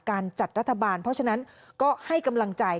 จัดรัฐบาลเพราะฉะนั้นก็ให้กำลังใจ